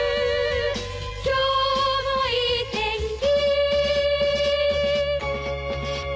「今日もいい天気」